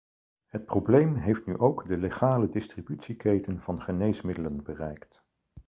Het probleem heeft nu ook de legale distributieketen van geneesmiddelen bereikt.